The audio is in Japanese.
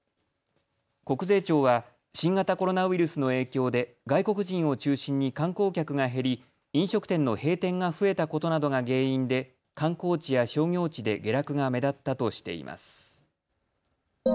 国税庁は新型コロナウイルスの影響で外国人を中心に観光客が減り飲食店の閉店が増えたことなどが原因で観光地や商業地で下落が目立ったとしています。